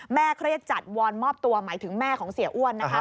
เครียดจัดวอนมอบตัวหมายถึงแม่ของเสียอ้วนนะคะ